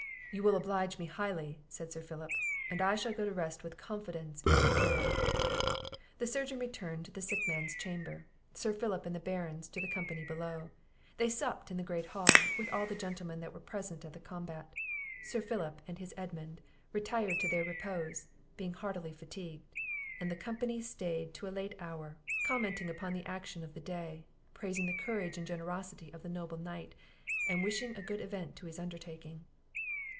"You will oblige me highly," said Sir Philip, "and I shall go to rest with confidence in your care." The surgeon returned to the sick man's chamber, Sir Philip and the Barons to the company below: they supped in the great hall, with all the gentlemen that were present at the combat. Sir Philip and his Edmund retired to their repose, being heartily fatigued; and the company staid to a late hour, commenting upon the action of the day, praising the courage and generosity of the noble knight, and wishing a good event to his undertaking.